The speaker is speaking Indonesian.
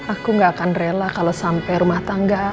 aku gak akan rela kalau sampai rumah tangga